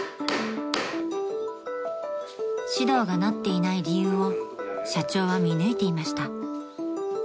［指導がなっていない理由を社長は見抜いていました］